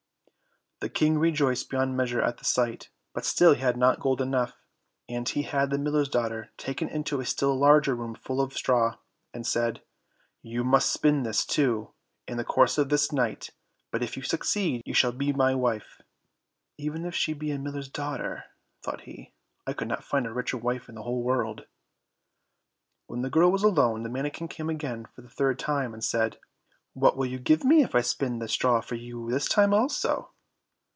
The King rejoiced beyond measure at the sight, but still he had not gold enough; and he had the miller's daughter taken into a still larger room full of straw, and said, "You must spin this, too, in the course of this night; but if you succeed, you shall be my wife." "Even if she be a miller's daughter," thought he, "I could not find a richer wife in the whole world." When the girl was alone the manikin came again for the third time, and said, "What will you give me if I spin the straw for you this time also?"